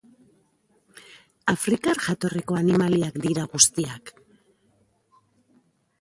Afrikar jatorriko animaliak dira guztiak.